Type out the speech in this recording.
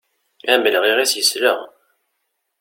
Amelɣiɣ-is yesleɣ.